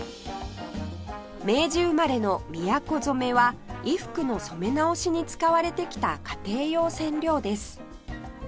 明治生まれのみやこ染は衣服の染め直しに使われてきた家庭用染料です